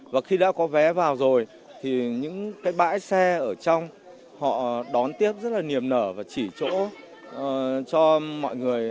và khi đã có vé vào rồi thì những cái bãi xe ở trong họ đón tiếp rất là niềm nở và chỉ chỗ cho mọi người